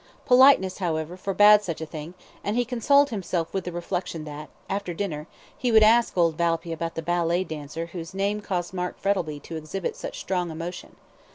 Politeness, however, forbade such a thing, and he consoled himself with the reflection that, after dinner, he would ask old Valpy about the ballet dancer whose name caused Mark Frettlby to exhibit such strong emotion.